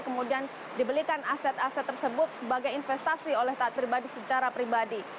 kemudian dibelikan aset aset tersebut sebagai investasi oleh taat pribadi secara pribadi